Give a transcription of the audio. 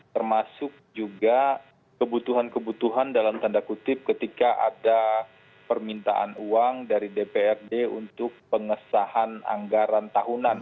termasuk juga kebutuhan kebutuhan dalam tanda kutip ketika ada permintaan uang dari dprd untuk pengesahan anggaran tahunan